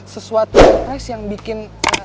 sesuatu yang bikin